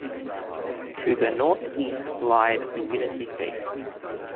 To the northeast lied the Unity State.